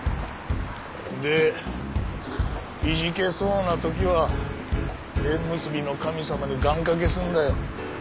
でいじけそうな時は縁結びの神様に願掛けすんだよ。